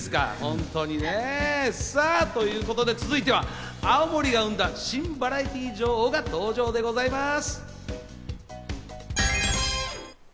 本当にね。さあ、ということで青森が生んだ新バラエティー女王が登場でございます。